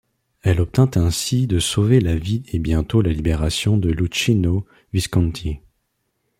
Elle obtint ainsi de sauver la vie et bientôt la libération de Luchino Visconti.